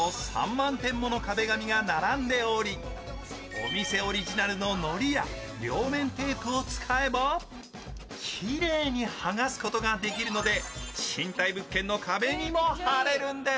お店オリジナルののりや両面テープを使えばきれいにはがすことができるので、賃貸物件の壁にも貼れるんです。